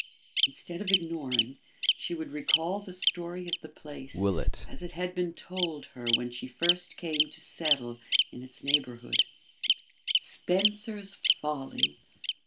Instead of ignoring, she would recall the story of the place as it had been told her when she first came to settle in its neighbourhood. Spencer's Folly!